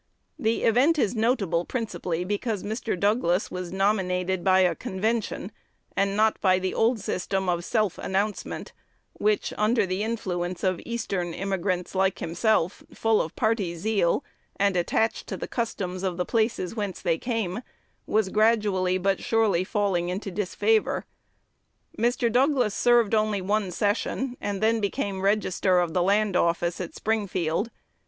The event is notable principally because Mr. Douglas was nominated by a convention, and not by the old system of self announcement, which, under the influence of Eastern immigrants, like himself, full of party zeal, and attached to the customs of the places whence they came, was gradually but surely falling into disfavor. Mr. Douglas served only one session, and then became Register of the Land Office at Springfield.